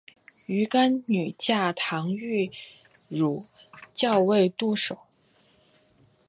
鱼干女嫁唐御侮校尉杜守。